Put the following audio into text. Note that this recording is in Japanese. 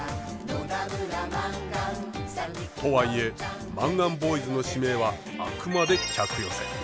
とはいえマンガンボーイズの使命はあくまで客寄せ。